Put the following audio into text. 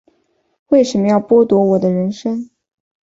为什么要剥夺我的人生